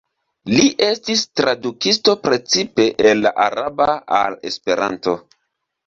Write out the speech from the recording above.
Li estis tradukisto precipe el la araba al esperanto.